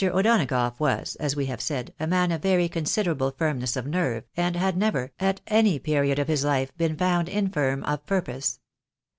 O'Donagough was, as we have said, a man of very con siderable firmness of nerve, and had never, at any period of his 36 THE BAENABYS IN AMERICA. life, been found infirm of purpose.